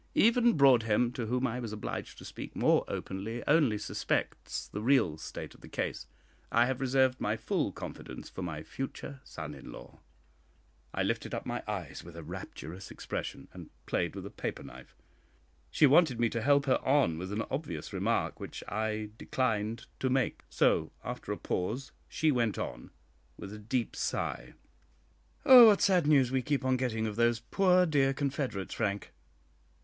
Even Broadhem, to whom I was obliged to speak more openly, only suspects the real state of the case. I have reserved my full confidence for my future son in law." I lifted up my eyes with a rapturous expression, and played with a paper knife. She wanted me to help her on with an obvious remark, which I declined to make; so, after a pause, she went on, with a deep sigh, "What sad news we keep on getting of those poor dear Confederates, Frank!"